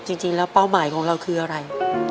จริงแล้วเป้าหมายของเราคืออะไร